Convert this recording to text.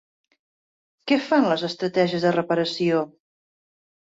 Què fan les estratègies de reparació?